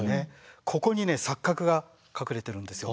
ここに錯覚が隠れてるんですよ。